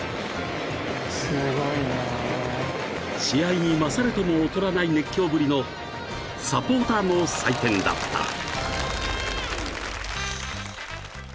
［試合に勝るとも劣らない熱狂ぶりのサポーターの祭典だった］